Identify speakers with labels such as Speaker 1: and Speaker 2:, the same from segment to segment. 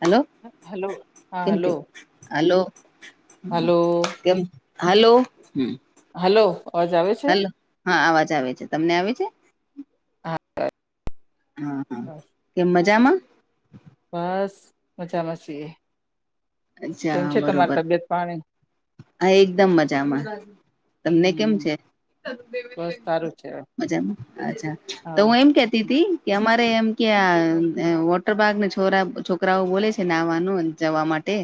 Speaker 1: Hello
Speaker 2: hello હા
Speaker 1: કેમ
Speaker 2: hello
Speaker 1: થયું હલો
Speaker 2: હલો
Speaker 1: કેમ હલો હમ
Speaker 2: હલો અવાજ આવે છે.
Speaker 1: હલો હા અવાજ આવે છે તમને આવે છે?
Speaker 2: હા
Speaker 1: હા હા
Speaker 2: બસ
Speaker 1: કેમ મજામાં?
Speaker 2: બસ મજામા છીએ. કેમ
Speaker 1: અચ્છા
Speaker 2: છે તમારી
Speaker 1: બરોબર
Speaker 2: તબિયત પાણી
Speaker 1: હા એકદમ મજામાં તમને કેમ
Speaker 2: હમ
Speaker 1: છે?
Speaker 2: બસ સારું છે
Speaker 1: મજામાં અચ્છા તો
Speaker 2: હા
Speaker 1: હું એમ કેતી હતી કે અમારે એમ કે
Speaker 2: હમ
Speaker 1: વોટરબાગને છોરા છોકરાઓ બોલે છે નાવાનું જવા માટે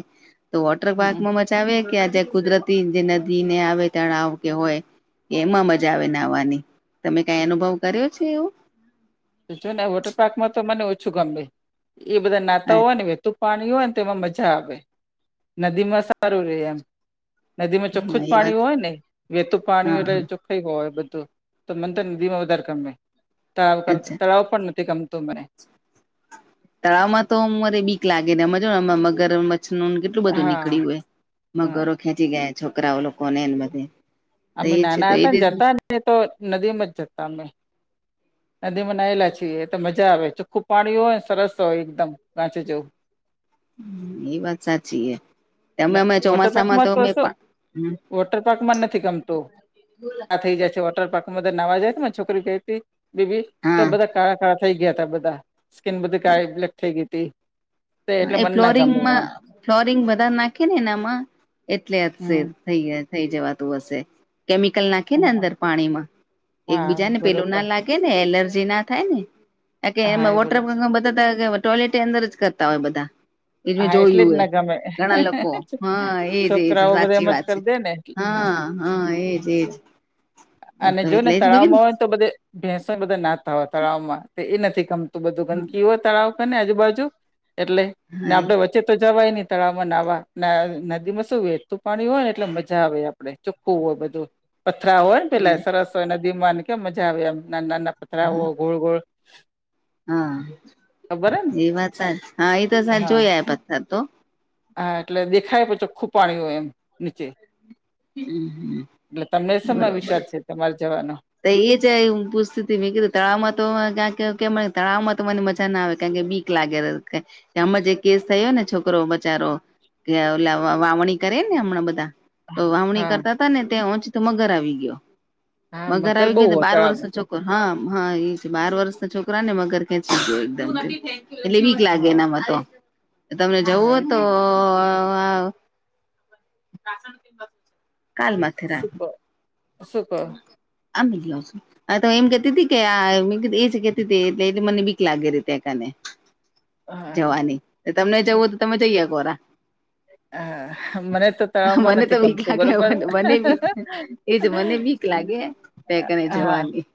Speaker 1: તો વોટર
Speaker 2: હમ
Speaker 1: પાર્કમાં મજાવ કે આ જે કુદરતી જે નદીને આવે તળાવ કે હોય કે એમાં મજા આવે નાવાની તમે કઈ અનુભવ કર્યો છે એવો?
Speaker 2: છ ને વોટર પાર્કમાં તો મને ઓછું ગમે એ બધા નાતા હોય ને તો પાણી હોય ને તેમાં મજા આવે નદી માં સારું રહેે એમ નદી માં ચોખ્ખું જ
Speaker 1: એ વાત
Speaker 2: પાણી હોય ને વેતું પાણી
Speaker 1: હા
Speaker 2: એટલે
Speaker 1: હા
Speaker 2: ચો [unintelligible] હોય બધું તો મનંતર નદીમાં વધારે ગમે તળાવ ક
Speaker 1: અચ્છા
Speaker 2: નથી ગમતું મને
Speaker 1: તળાવમાં તો મારે બીક લાગે હમ જો ને મગરમછ નુ કેટ એટલું બધું
Speaker 2: હા
Speaker 1: નીકળ્યું હોય
Speaker 2: હા
Speaker 1: મગરો ખેંચી ગયા છોકરાઓ લોકો કોને બધે એ છે તો એ
Speaker 2: એ તો નદીમાં જ જતા અમે નદીમાં નાયલા છીએ એ તો મજા આવે ચોખ્ખું પાણી હોય ને સરસ હોય એકદમ પાચ જો
Speaker 1: એ વાત સાચી એ તમે અમે
Speaker 2: વોટર
Speaker 1: ચોમાસામાં
Speaker 2: પાર્કમાં
Speaker 1: તો અમે
Speaker 2: શું વોટર પાર્ક માં નથી ગમતું આ થઈ જાય છે વોટર પાર્કમાં ધ નવા જાય તો ને છોકરી ગઈતી બીબી તો
Speaker 1: હા
Speaker 2: બધા કાળા કાળા થઈ ગયા તા બધા સ્કિન બધી કાળી બ્લેક થઈ ગઈ હતી તો એટલે
Speaker 1: એ
Speaker 2: મને ના ગમે
Speaker 1: ફ્લોરિંગમાં
Speaker 2: આમ
Speaker 1: ફ્લોરિંગ વધારે નાખે ને એમાં એટલે હશે
Speaker 2: હમ
Speaker 1: થઈ ગયા થઈ જવાતું હશે કેમિકલ ના ખેને
Speaker 2: હા
Speaker 1: અંદર પાણીમાં એક
Speaker 2: હા,
Speaker 1: બીજાને પેલું
Speaker 2: બરોબર
Speaker 1: ના લાગે ને એલર્જી ના થાય ને કે
Speaker 2: હા
Speaker 1: એમાં
Speaker 2: એ
Speaker 1: વોટર
Speaker 2: બરોબર
Speaker 1: બધા ત ટોયલેટ એ અંદર જ કરતા હોય બધા એજ મેં
Speaker 2: હા એટલે જ
Speaker 1: જોયું એ
Speaker 2: ના ગમે
Speaker 1: ઘણા લોકો હા એજ એજ
Speaker 2: છોકરાઓ બધા
Speaker 1: સાચી
Speaker 2: એમ જ
Speaker 1: વાત છે
Speaker 2: કરી દે ને એટલે
Speaker 1: હા હા એજ એજ
Speaker 2: અને
Speaker 1: તો
Speaker 2: જો ને
Speaker 1: એટલે જ મેં
Speaker 2: તળાવમાં
Speaker 1: કીધું
Speaker 2: હોય તો બધે ભેંસો ન બધા નાતા હોય તળાવમાં, તે એ નથી ગમતું બધું, ગંદકી હોય તળાવ અને આજુબાજુ એટલે, ને આપડે
Speaker 1: હા
Speaker 2: વચ્ચે તો જવાય નહી. તળાવમાં નાવા, ને નદી માં શું વેહતું પાણી હોયને એટલે મજા આવે, આપડે ચોખ્ખું હોય બધું. પથરા હોયન પેલા સરસ, હોય નદીમાંને કેમ મજા આવે એમ ના નાના પથરાઓ ગોળ ગોળ.
Speaker 1: હા
Speaker 2: ખબર હે ને
Speaker 1: એ વાત સા, હા એ તો સા
Speaker 2: હા
Speaker 1: જોયા પથ્થા તો.
Speaker 2: હા એટલે દેખાય પછ ચોખ્ખું પાણી હોય, એમ નીચે. એટલે તમને સમા વિચાર છે, તમારે જવાનો?
Speaker 1: ત્ય એ જ એ હુ પૂસતી તી, મે કીધું તળાવમાં તો ક કે કે મને તળાવમાં તો મને મજા ના આવે કારણકે બીક લાગે રર કે, કે હમા જે કેસ થયો ને છોકરો બચારો. લેવ લેવા વાવણી કરે ને હમણાં બધા. તો વાવણી
Speaker 2: હા
Speaker 1: કરતા હતાને, ત્યા ઓંચીતો મગર આવી ગયો,
Speaker 2: હા
Speaker 1: મગર આવી
Speaker 2: બહુ
Speaker 1: ગયોને તો
Speaker 2: હોય
Speaker 1: બાર વર્ષનો
Speaker 2: તળાવમાં
Speaker 1: છોખ હા હા ઈ છે, બાર વર્ષના છોકરા ને મગર ખેચી ગયો એકદમ થી. એટલે બીક લાગે
Speaker 2: હા
Speaker 1: એનામાં તો, તો તમને
Speaker 2: હા
Speaker 1: જવું
Speaker 2: એ
Speaker 1: તો આ અ કાલ માંથે રાખ.
Speaker 2: શું ક?
Speaker 1: આમ મિલી આવશું. હા તો એમ કેતી તી કે, આ મે કીધું એજ કેતી તી એટલે મને બીક લાગે રીતે કને.
Speaker 2: હા
Speaker 1: જવાની, એ તમને જવું હોતો તમે જઈ એ કોરા.
Speaker 2: હા મને તો તળાવમાં
Speaker 1: મનેતો
Speaker 2: નથી
Speaker 1: બીક
Speaker 2: ગમતું
Speaker 1: લાગે,
Speaker 2: બરોબર
Speaker 1: મને બી એજ- - મને બીક લાગે, પેકને
Speaker 2: હા
Speaker 1: જવાની.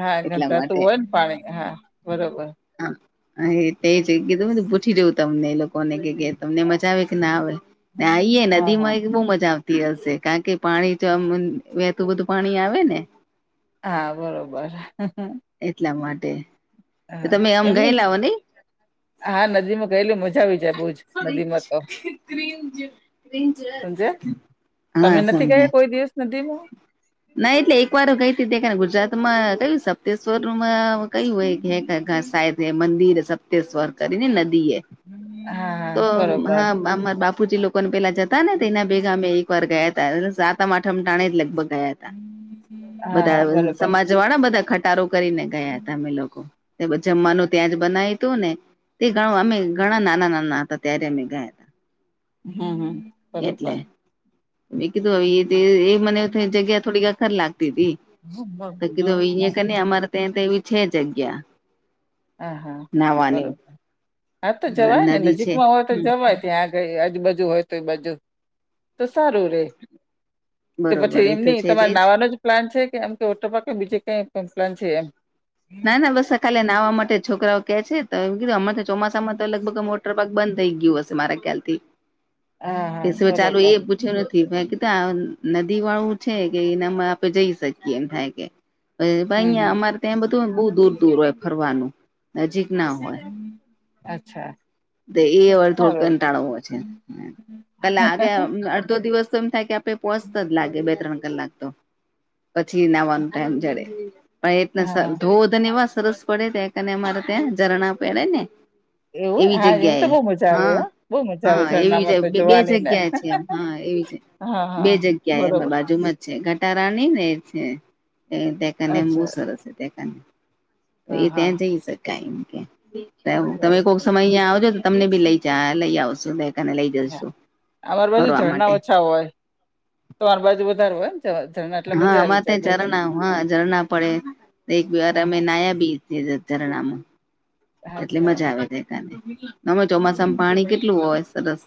Speaker 2: હા
Speaker 1: એટલા માટે
Speaker 2: ગંધાતું હોયન પાણી, હા બરોબર.
Speaker 1: હ, હા એ તેજ એ કીધું મેતો પૂછી જવું તમને, એ લોકોને, કે તમને મજા આવે કે ના આવે? ને આઈ એ
Speaker 2: હા
Speaker 1: નદી
Speaker 2: હા
Speaker 1: માંઈ બહું મજા આવતી હશે, કારણ કે પાણી તો આમ વેહતું બધું પાણી આવેને?
Speaker 2: હા બરોબર.
Speaker 1: એટલા માટે.
Speaker 2: હા
Speaker 1: તમે આમ
Speaker 2: એમની,
Speaker 1: ગયેલા હો નઈ
Speaker 2: હા નદીમાં ગયેલું મજા આવી. જાય બહુ જ નદીમાં તો સમજે
Speaker 1: [unintelligible] હા
Speaker 2: તમે નથી ગયા
Speaker 1: સમજ્યા
Speaker 2: કોઈ દિવસ નથીમા?
Speaker 1: ના એટલે એક વાર ગઈતી દેખને, ગુજરાત માં કયું સપ્તેશ્વરમાં કયું એક હે ધાસાયબ મંદિર હે, સપતેશ્વર કરીને નદી એ.
Speaker 2: હા હા
Speaker 1: તો
Speaker 2: બરોબર
Speaker 1: હા આમા બાપ પુચી લોકોને પેલા જતાને, તેના બેગામે એક વાર ગયા હતા, સાતમ આઠમ ટાણેજ લગભગ ગયા.
Speaker 2: હા
Speaker 1: બધા
Speaker 2: હા
Speaker 1: અ
Speaker 2: બરોબર
Speaker 1: સમાજ વાળા, બધા ખટારો કરીને ગયા હતા અમે લોકો. ને જમવાનું ત્યાં જ બનાયતુંને, તે ગાવ અમે ઘણા નાના નાના. હતા ત્યારે અમે ગયા હતા.
Speaker 2: હાહા બરોબર.
Speaker 1: મુ કિઘુ આવીએ તે એ મને થોડી જગ્યા થોડી અખર લાગતી હતી, તો કીધું હવે અહીંયા કરને અમારા તે તેવી છે જગ્યા.
Speaker 2: હા હા
Speaker 1: નાહવાની
Speaker 2: બરોબર, હા તો જવાય ને,
Speaker 1: નદી છે
Speaker 2: નજીકમાં હોય તો
Speaker 1: હમ
Speaker 2: જવાય ત્યાં કઈ આજુબજુ હોય તો એ બાજુ, તો સારું રે. તો
Speaker 1: બરોબર
Speaker 2: પછી
Speaker 1: એ
Speaker 2: એમ
Speaker 1: તો
Speaker 2: નહિ,
Speaker 1: છે જ
Speaker 2: તમારે
Speaker 1: એજ
Speaker 2: નાવાનુંજ પ્લાન છે કે, એમ કે ઓટર પાક કે બીજે કઈ પ્લાન છે એમ.
Speaker 1: ના ના બસ કાલે નાવા માટે, છોકરાઓ કે છે તો એમ કીધું અમાર ચોમાસામાં તો લગભગ આ વોટર પાક બંધ થઈ ગયું હશે મારા ખ્યાલથી.
Speaker 2: હા હા
Speaker 1: કેશુ ચાલુ
Speaker 2: બરોબર
Speaker 1: એ પુ છયુ નથી, બાકીતો આ નદી વાળું છે, કે એનામાં આપણે જઈ શકીએ, એમ થાય કે અ પહિ ન્યા
Speaker 2: હમ
Speaker 1: અમારે ત્યાં બધું બહુ દૂર દૂર હોય ફરવાનું, નજીક ના હોય.
Speaker 2: અચ્છા
Speaker 1: એ થોડું
Speaker 2: સારું
Speaker 1: કંટાળવો છે કાલે આગે અડધો દિવસ તો એમ થાય કે પોહચતા જ લાગે બે ત્રણ કલાક તો પછી નાવાનું મ જડે પણ એને સર
Speaker 2: હા
Speaker 1: ધો ધનવા સરસ પડે તને મારે ત્યાં ઝરણા પહેડે ને
Speaker 2: એવું
Speaker 1: એવી
Speaker 2: હા એવું તો
Speaker 1: જગ્યાએ
Speaker 2: બહુ મજા આવે
Speaker 1: હા
Speaker 2: હ બહુ મજા આવે
Speaker 1: હા એવી
Speaker 2: ઝરણામાં તો
Speaker 1: બે
Speaker 2: જોવાની ને
Speaker 1: જગ્યા છે એમ હા એવી જ
Speaker 2: હા
Speaker 1: બે
Speaker 2: હા
Speaker 1: જગ્યાએ એમાં
Speaker 2: બરોબર
Speaker 1: બાજુમાં જ ઘટારાની ને છે ટેકાને એમ બહુ
Speaker 2: અચ્છા
Speaker 1: સરસ છે ટેને તો એ
Speaker 2: હા હા
Speaker 1: ત્યાં જઈ શકાય એમ કે તમે કોક
Speaker 2: બરોબર
Speaker 1: સમય અ્યાં આવજો તો તમને બી લઈ ચા લયા સુું
Speaker 2: અમાર બાજુ
Speaker 1: માટે
Speaker 2: ઝરણા ઓછા હોય તો અર બાજુ વધારે હોય ને ઝરણા એટલે
Speaker 1: હા
Speaker 2: મજા આવી
Speaker 1: અમાં
Speaker 2: જાય
Speaker 1: ત
Speaker 2: બહુ જ
Speaker 1: ઝરણા હા ઝરણા પડે એક બે વાર અમે
Speaker 2: હા
Speaker 1: નાયા બી એતરણમ એટલી
Speaker 2: અચ્છા
Speaker 1: મજા આવે દ કનેમે ચોમાસામાં પાણી કેટલું હોય સરસ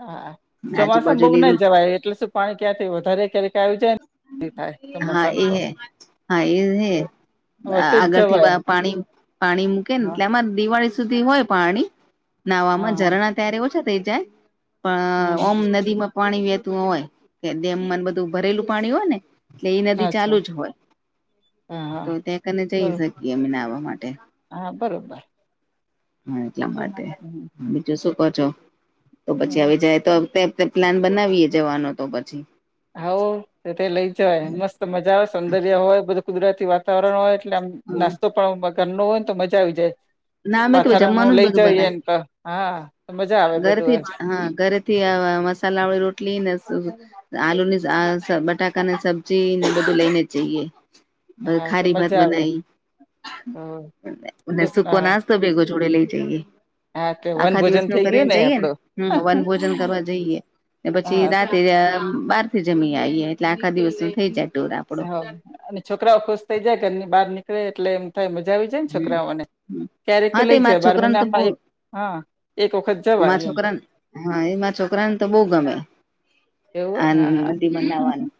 Speaker 2: હા ચોમાસા
Speaker 1: આજુબાજુ
Speaker 2: બહુ ના
Speaker 1: લીલું
Speaker 2: જવાય એટલે શું પાણી ક્યાંથી વધારે ક્યારેક આવી જાયને
Speaker 1: હા એ હે હા એ હે
Speaker 2: વચ્ચે જ
Speaker 1: આગળ થી
Speaker 2: જવાય
Speaker 1: પાણી પાણી મૂકે ને
Speaker 2: હા
Speaker 1: એટલે આમાં દિવાળી સુધી હોય પાણી
Speaker 2: હા
Speaker 1: નાહવામાં
Speaker 2: હા
Speaker 1: ઝરણા ત્યારે ઓછા થઈ જાય
Speaker 2: હમ
Speaker 1: પણ ઓમ નદીમાં પાણી વહેતું હોય કે ડેમ માં બધું ભરેલું પાણી હોય ને એટલે એ
Speaker 2: હમ
Speaker 1: નદી
Speaker 2: અચ્છા
Speaker 1: ચાલુ જ હોય
Speaker 2: હા હા
Speaker 1: તો ત્યાં કને જઈ
Speaker 2: બરોબર
Speaker 1: શકીએ અમે નાવા માટે
Speaker 2: હા બરોબર
Speaker 1: હા જ મળતા
Speaker 2: [inaudible]
Speaker 1: બીજું શું કર છો તો પછી આવી જ તો પ્લાન બનાવીએ જવાનો તો પછી
Speaker 2: હા તે લઈ જય મસ્ત મજા આવે સૌંદર્ય હોય બધું કુદરતી વાતાવરણ હોય એટલે આમ
Speaker 1: હ
Speaker 2: નાસ્તો પણ ઘર ન હોય ને તો મજા આવી જાય
Speaker 1: ના અમે તો
Speaker 2: પાથર નું
Speaker 1: જમવાનું જ
Speaker 2: લઈ
Speaker 1: બધું બનાય
Speaker 2: જઈએને તો હા મજા આવે બધું
Speaker 1: ઘરેથી
Speaker 2: એ
Speaker 1: જ હા ઘરે થી મસાલા વાળી રોટલી ને આલુ ની બટાકા ની સબ્જી ને બધું લઈને જઈએ
Speaker 2: હા તો
Speaker 1: ખારી ભાત
Speaker 2: મજા આવે હ
Speaker 1: બનાઈ સુ
Speaker 2: હા
Speaker 1: સેગ જોડે લઈ જઈએ
Speaker 2: હા એટલે
Speaker 1: આખા
Speaker 2: વનભોજન
Speaker 1: દિવસ નું
Speaker 2: થઈ ગયું
Speaker 1: કરીને જઈએે ને
Speaker 2: આપડું
Speaker 1: હમ વન ભોજન કરવા જઈએ
Speaker 2: હા
Speaker 1: પછી
Speaker 2: તો
Speaker 1: રાતે બાર થી જમી આવીએ એટલે આખા દિવસ થઈ જાય ટુર આપડો
Speaker 2: હ અને છોકરાઓ ખુશ થઈ જાય ઘરની બહાર નીકળે એટલે એમ થાય મજા આવી છોકરાને ક્યારેક તો
Speaker 1: હા તે
Speaker 2: લઈ જ
Speaker 1: મારા
Speaker 2: બાર
Speaker 1: છોકરાને
Speaker 2: મહિનામાં હ એક વખત જ
Speaker 1: મા છોકરાને હા એમાં છોકરાને તો બહુ ગમે
Speaker 2: એવું હોય
Speaker 1: આ
Speaker 2: હા હા
Speaker 1: નદી મનાવાનું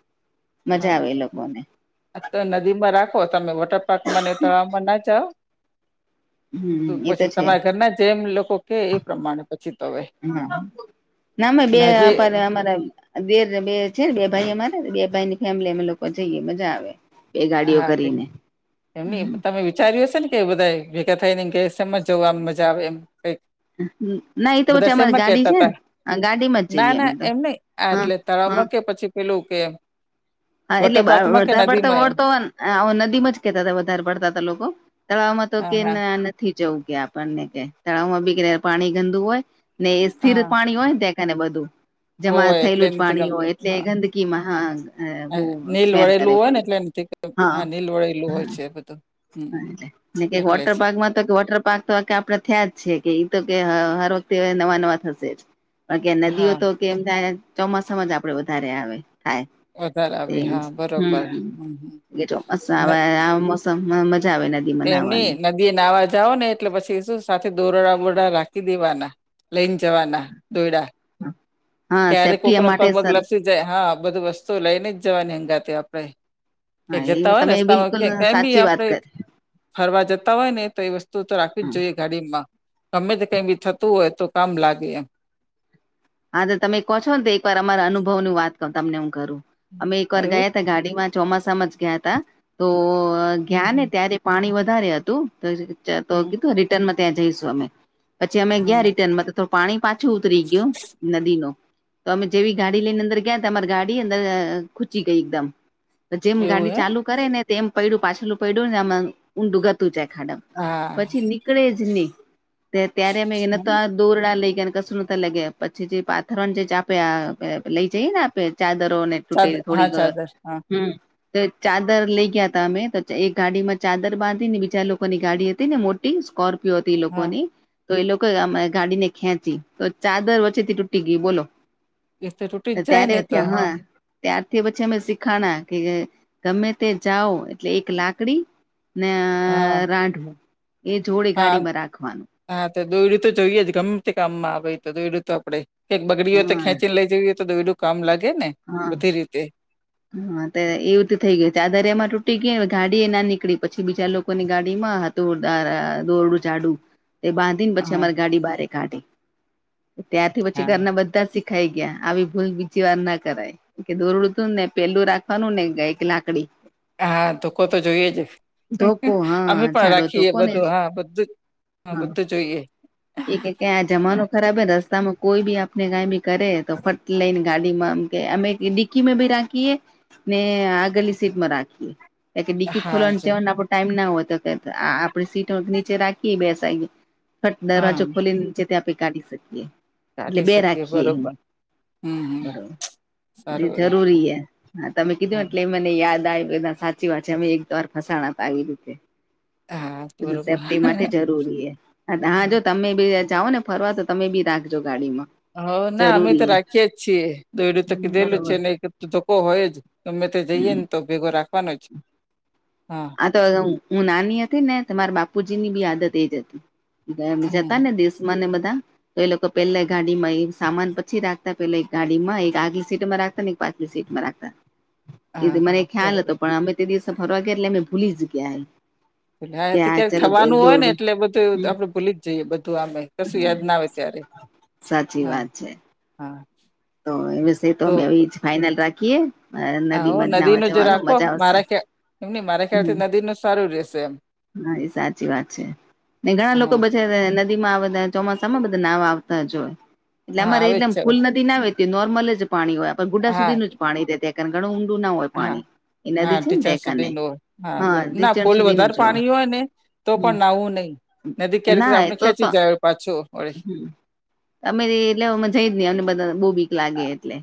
Speaker 2: હા તો નદીમાં રાખો તમે વટ ટપક મને તળ મના જાઓ
Speaker 1: [inaudible] એ તો
Speaker 2: પછી
Speaker 1: છે
Speaker 2: તમારા ઘરના જેમ લોકો કે એ પ્રમાણે પછી તો હ
Speaker 1: [unintelligible] નામે બે આપ અમારા બેર બે છે ને બે ભાઈ અમારે બે ભાઈ ની ફેમિલી અમે લોકો જઈએ મજા આવે બે ગાડીઓ
Speaker 2: હા
Speaker 1: કરીને
Speaker 2: એમ તમે વિચાર્યું હશે ને કે બધા ભેગા થઈ ને કે છે એમજ જવામ મજા આવે એમ કઈક
Speaker 1: ના એ તો
Speaker 2: બધા
Speaker 1: પછી અમારી
Speaker 2: શેમાં
Speaker 1: ગાડી
Speaker 2: કેતા
Speaker 1: છે
Speaker 2: હતા
Speaker 1: ને ગાડીમાં
Speaker 2: ના
Speaker 1: જઈએ અમે
Speaker 2: ના
Speaker 1: તો
Speaker 2: એમ નઈ આ
Speaker 1: હા
Speaker 2: એટલે
Speaker 1: હા
Speaker 2: તળાવમાં કે પછી પેલું કે
Speaker 1: હા એટલે
Speaker 2: વોટર પાર્કમાં કે
Speaker 1: વળતા પડતા
Speaker 2: નદીમાં એમ
Speaker 1: વળતો હોય ને નદીમાં જ કેતા હતા વધારે પડતા ત લોકો તળાવમાં તો
Speaker 2: હા
Speaker 1: કે
Speaker 2: હા
Speaker 1: નથી જવું કે આપણને કે તળાવમાં બી કે પાણી ગંદુ હોય ને એ સ્થિર
Speaker 2: હા
Speaker 1: પાણી હોય ત્યાં ને બધું જમા
Speaker 2: હોય એટલે
Speaker 1: થયેલું જ
Speaker 2: નથી
Speaker 1: પાણી હોય
Speaker 2: ગમતું
Speaker 1: એટલે
Speaker 2: હા
Speaker 1: ગંદકી માં હા બહુ
Speaker 2: હા નીલ
Speaker 1: સ્મેલ કરે
Speaker 2: વળેલું હોય ને
Speaker 1: પડ્યું
Speaker 2: એટલે નથી ગમ
Speaker 1: હા
Speaker 2: નીલ વળેલું હોય છે બધું હમ
Speaker 1: ને કેક
Speaker 2: એટલે જ
Speaker 1: વોટરપાર્ક તો વોટર પાર્ક તો આપડે થયા જ છે કે ઈ તો કે હર વખતે નવા નવા થશે જ પણ કે નદીઓ
Speaker 2: હા
Speaker 1: તો કેમ થાય ચોમાસામાં જ આપડે વધારે આવે થાય
Speaker 2: વધારે આવે
Speaker 1: હમ
Speaker 2: હા બરોબર
Speaker 1: હમમ
Speaker 2: હમ હમ
Speaker 1: જે ચોમાસા વે મોસમ મજા આવેને
Speaker 2: એમની નદી એ નાહવા જાઓ ને એટલે પછી શું સાથે દોરડા બોરડા રાખી દેવાના લઈને જવાના દોયડા
Speaker 1: હા
Speaker 2: ક્યારે કોક
Speaker 1: સેફ્ટી
Speaker 2: નો
Speaker 1: માટે
Speaker 2: પગ પગ
Speaker 1: સર
Speaker 2: લપશે જાય હા બધું વસ્તુ લઈને જ જવાની હગાથે આપડે કે
Speaker 1: હા
Speaker 2: જતા
Speaker 1: એ
Speaker 2: હોય
Speaker 1: તમે
Speaker 2: ને રસ્તામાં
Speaker 1: બિલકુલ
Speaker 2: કાય બી
Speaker 1: સાચી વાત
Speaker 2: આપડે
Speaker 1: કરી
Speaker 2: ફરવા જતા હોય ને તો એ વસ્તુ તો
Speaker 1: હ
Speaker 2: રાખવી જ જોઈએ. ગાડીમાં ગમે તે કઈ બી થતું હોય તો કામ લાગે એમ.
Speaker 1: હા તો તમે કહો છો ને તો એકવાર અમારા અનુભવની વાત તમને એ કરું અમે એકવાર
Speaker 2: એવું
Speaker 1: ગયા ગાડીમાં ચોમાસામાં જ ગયા તા તો
Speaker 2: હમ
Speaker 1: ગયા ને
Speaker 2: હમ
Speaker 1: ત્યારે પાણી વધારે હતું તો
Speaker 2: હમ
Speaker 1: કીધું રિટર્નમાં ત્યાં જઈશું અમે પછી અમે ગયા
Speaker 2: હમ
Speaker 1: રિટર્નમાં તો થોડું પાણી પા છુ ઉતરી ગયું તો અમે જેવી ગાડી લઈને અંદર ગયા તમારી ગાડી અંદર ખૂચી ગઈ એકદમ જેમ
Speaker 2: એવું
Speaker 1: ગાડી
Speaker 2: એમ
Speaker 1: ચાલુ કરે ને તેમ પડ્યું પાછલું પડ્યું ને આમાં ઊંડું ગતું જાય ખાડમ
Speaker 2: હા
Speaker 1: પછી નીકળે જ નહી ત્યારે અમે એ
Speaker 2: હમ.
Speaker 1: તો દોરડા લઈ ગયાં ને કસુ નતા લઈ ગયા પછી જે પાથર જે આપે લઈ જઈએ ને આપે ચાદરોને
Speaker 2: ચાદર
Speaker 1: તૂટેલી
Speaker 2: હા
Speaker 1: થોડીક
Speaker 2: ચાદર હા
Speaker 1: હમ તો ચાદર લઇ ગયા હતા અમે તો એક ગાડીમાં ચાદર બાંધી ને બીજા લોકોની ગાડી હતી ને મોટી સ્કોર્પ પીયો હતી એ
Speaker 2: હા
Speaker 1: લોકોની તો એ લોકો આમ ગાડીને ખેંચી તો ચાદર વ થી તૂટી ગઈ બોલો
Speaker 2: એ તો તૂટી જ જાય
Speaker 1: ત્યારે
Speaker 2: ને એ તો
Speaker 1: ત્યા હા ત્યારથી પછી અમે શીખાણા કે ગમે તે જાઓ એટલે એક લાકડી ને આ
Speaker 2: હા
Speaker 1: રાઢવું એ જોડે
Speaker 2: હા
Speaker 1: ગાડીમાં રાખવાનું.
Speaker 2: હા તો દોયડું તો જોઈએ જ ગમે તે કામમાં આવે તો દોયડું તો આપડે ક્યાંક બગડી હોય તો
Speaker 1: હા
Speaker 2: ખેંચીને લઈ જવી હોય તો દોયડું કામ લાગે ને.
Speaker 1: હા
Speaker 2: બધી રીતે
Speaker 1: હા ત એવું ત થઇ ગયું છે આ ચાદર એમાં તૂટી ગયી ને ગાડી એ ના નીકળી પછી બીજા લોકો ની ગાડી માં હતા દ અર દોરડું જાડું તે બાઘીન પછી
Speaker 2: હા
Speaker 1: અમારી ગાડી બાર કાઢી ત્યાંથી પછી
Speaker 2: હા
Speaker 1: ઘરના બધા જ શીખાઈ ગયા આવી ભૂલ બીજી વાર ના કરાય કે દોરડું તું ને પેલું રાખવાનું ને ગ એક લાકડી
Speaker 2: હા ધોકો તો જોઈએ જ
Speaker 1: ધોકો હા
Speaker 2: અમે પણ
Speaker 1: જાડો
Speaker 2: રાખીએ
Speaker 1: ધોકો ને
Speaker 2: બધું હા બધું જ હા બધું જોઈએ
Speaker 1: એ કે કે આ જમાનો ખરાબ હે રસ્તામાં કોઈ બી આપને કઈ બી કરે તો ફટ લઈ ને ગાડીમાં કે અમે ડિકી માં ભી રાખીએ ને આગળલી સીટમાં રાખીએ કે ડીકી
Speaker 2: હા
Speaker 1: ખોલવા
Speaker 2: જ
Speaker 1: જવા આપો ટાઈમ ના હોતો આપડે સીટ નીચે રાખી બે સાઈડ ફટ દરવાજો
Speaker 2: હા
Speaker 1: ખોલી નીચે થી આપે કાઢી શકીએ. એટલે
Speaker 2: કાઢી
Speaker 1: બે
Speaker 2: શકીએ
Speaker 1: રાખીએ એમ
Speaker 2: બરોબર હમ હમ
Speaker 1: બરોબર એ
Speaker 2: સારું રે
Speaker 1: જરૂરી
Speaker 2: હા
Speaker 1: હે હા તમે કીધું
Speaker 2: હા
Speaker 1: એટલે મને યાદ આવે બધા સાચી વાત છે અમે એક વાર ફસાણાતા આવી રીતે
Speaker 2: હા, બરોબર
Speaker 1: સેફ્ટી માટે જરૂરી હે હા જો તમે બી જાઓ ને ફરવા તો તમે બી રાખજો ગાડીમાં.
Speaker 2: હવ ના અમે
Speaker 1: જરૂરી
Speaker 2: તો
Speaker 1: એ
Speaker 2: રાખી અએ છીએ. દોયડુ તો કેદીનું છે
Speaker 1: બરોબર
Speaker 2: ને ધોકો હોય જ ગમે તે જઈએ
Speaker 1: હમ
Speaker 2: ને તો ભેગો રાખવાનો જ હા
Speaker 1: આ તો હું નાની હતી ને મારા બાપુજી ની બી આદત એજ હતી જતા
Speaker 2: હમ
Speaker 1: ને દેશ મને બધા તો એ લોકો પેલા ગાડીમાં એક સામાન પછી રાખતા પેલા એક ગાડી માં એક આગલી સીટમાં રાખતા ને એક પાછલી સીટમાં રાખ
Speaker 2: હા
Speaker 1: એ
Speaker 2: હા
Speaker 1: મને ખ્યાલ
Speaker 2: બરોબર
Speaker 1: હતો પણ અમે તે દિવસે ફરવા ગયા એટલે અમે ભૂલી જ ગયા એ
Speaker 2: ભલે તો ક્યાંક થવાનું હોય ને એટલે બધું આપડે ભૂલી જ જઈએ બધું આમે કશું યાદ ના આવે ત્યારે
Speaker 1: સાચી
Speaker 2: હા
Speaker 1: વાત છે
Speaker 2: હા
Speaker 1: તો એ વિષ તો અમે એ જ ફાઈનલ રાખીએ
Speaker 2: હો
Speaker 1: નદીમાં
Speaker 2: નદી
Speaker 1: નાવા
Speaker 2: નું જ
Speaker 1: જવાનું
Speaker 2: રાખો
Speaker 1: મજા આવશે
Speaker 2: મારા ખ્યા ની મારા
Speaker 1: હમ
Speaker 2: ખ્યાલથી નદીનું સારું રહેશે એમ
Speaker 1: હા એ સાચી વાત છે ને ઘણા લોકો
Speaker 2: હા
Speaker 1: બજા નદી માં આવે ચોમાસામાં બધા નાવ આવતા જો હોય એટલે
Speaker 2: હા
Speaker 1: અમારે
Speaker 2: આવે જ
Speaker 1: એટલેમ
Speaker 2: છે હવે.
Speaker 1: ફૂલ નથ દીના વેતી નોર્મલ જ પાણી હોય પણ ગુડા
Speaker 2: હા
Speaker 1: સુધીનું જ પાણી રેતા કારણ ઘણું ઊંડું ના હોય
Speaker 2: હા
Speaker 1: પાણી એ નદી
Speaker 2: હા
Speaker 1: છે ને
Speaker 2: ટીચા
Speaker 1: ત્યાં કને
Speaker 2: સધી નું હા બરોબર ના
Speaker 1: રીચણ
Speaker 2: ફૂલ
Speaker 1: સુધીનું
Speaker 2: વધારે
Speaker 1: જ
Speaker 2: પાણી હોય ને તો પણ નાું નહી નદી ક્યારેતે
Speaker 1: ના એ
Speaker 2: આપણે
Speaker 1: તો તો
Speaker 2: ખેંચી જાય પાછો વળી
Speaker 1: હમ્મ અમે એટલે જયે જ ની અમને બધા બો બી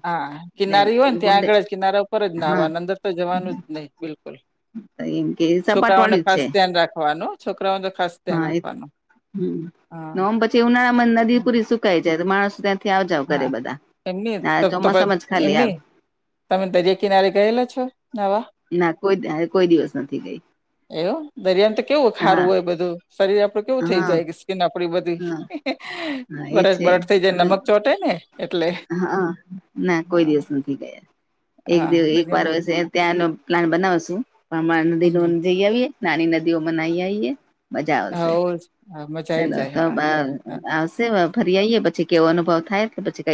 Speaker 2: હા કિનારી હોય ને ત્યાં
Speaker 1: ગુડે
Speaker 2: આગળ જ કિનારા ઉપર જ
Speaker 1: હા
Speaker 2: નાહવાની અંદર તો જવાનું જ નહી બિલ
Speaker 1: એમ કે સપાટ
Speaker 2: છોકરાઓને
Speaker 1: વાળી જ
Speaker 2: ખાસ
Speaker 1: છે
Speaker 2: ધ્યાન રાખવાનું છોકરાઓને ખાસ ધ્યાન
Speaker 1: હા એ
Speaker 2: રાખવાનું
Speaker 1: હમ
Speaker 2: હા
Speaker 1: ઓમ પછી ઉનાળામાં નદી પૂરી સુકાઈ જાય તો માણસ ત્યાં થી આવજાવ કરે
Speaker 2: હા
Speaker 1: બધા
Speaker 2: એમની
Speaker 1: ના
Speaker 2: તો તો
Speaker 1: ચોમાસામાં જ ખાલી આવ
Speaker 2: એમની તમે દરિયા કિનારે ગયેલા છો નાવા
Speaker 1: ના કોઈ કોઈ દિવસ નથી ગઈ
Speaker 2: એવ દરિયાને તો કેવું ખારું
Speaker 1: હા
Speaker 2: હોય બધું શરીર આપડું કેવું થઈ
Speaker 1: હા
Speaker 2: જાય કે સ્કીન આપડી બધી
Speaker 1: હા હા
Speaker 2: બર
Speaker 1: એ છે
Speaker 2: બરાટ થઈ જાય
Speaker 1: અમે
Speaker 2: નમક ચોટે ને એટલે
Speaker 1: હા ના કોઈ
Speaker 2: હા
Speaker 1: દિવસ નથી ગયા એક
Speaker 2: હા
Speaker 1: દિવ એક વાર
Speaker 2: દરિયામાં
Speaker 1: વસે ત્યાંનો પ્લાન બનાવશું પણ નદી નું
Speaker 2: હમ
Speaker 1: જઈ આવીએ નાની નદીઓ મનાઈ આવીએ મજા આવશે
Speaker 2: હવ મજા આઈ
Speaker 1: ચલો
Speaker 2: જાય
Speaker 1: તો બ
Speaker 2: હા હા
Speaker 1: આવશે ફરી આવીઈ પછી કેવો અનુભવ થાય કે પછી ક